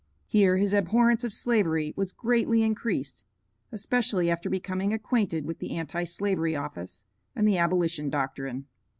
Here his abhorrence of Slavery was greatly increased, especially after becoming acquainted with the Anti slavery Office and the Abolition doctrine.